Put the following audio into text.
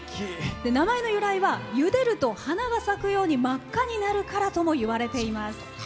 名前の由来はゆでると花が咲くように真っ赤になるからともいわれています。